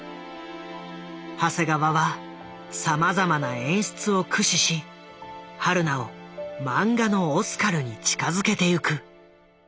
長谷川はさまざまな演出を駆使し榛名をマンガのオスカルに近づけてゆく。